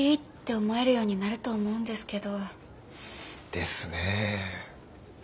ですねえ。